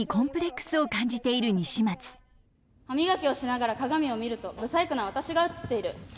歯磨きをしながら鏡を見ると不細工な私が映っている。